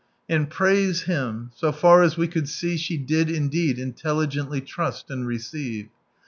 And praise Him, so far as we couid see she did indeed intelligently trust and receive.